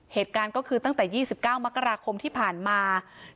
เหตุการณ์ก็คือตั้งแต่๒๙มกราคมที่ผ่านมา